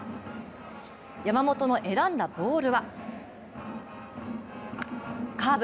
山本の選んだボールはカーブ。